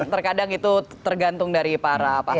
terkadang itu tergantung dari para pasangan